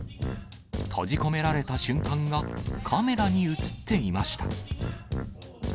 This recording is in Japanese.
閉じ込められた瞬間がカメラに写っていました。